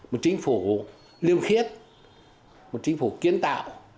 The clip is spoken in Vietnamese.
một chính phủ liêm khiết một chính phủ kiến tạo